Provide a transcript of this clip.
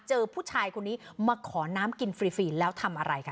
เจอผู้ชายคนนี้มาขอน้ำกินฟรีแล้วทำอะไรคะ